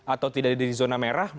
atau tidak di zona merah